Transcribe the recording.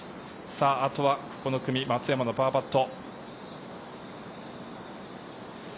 あとはこの組、松山のパーパット。